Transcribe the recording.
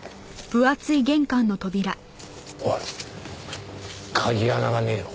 おい鍵穴がねえよ。